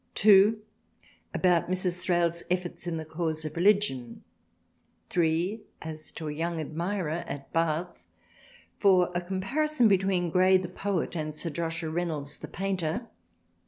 (2) about Mrs. Thrale's efforts in the cause of religion. (3) as to a young admirer at Bath. (4) a comparison between Gray the Poet and Sir Joshua Reynolds the Painter.